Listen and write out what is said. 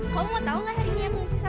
kau mau tau gak hari ini aku ngukis apa